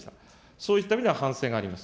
そういった意味では反省があります。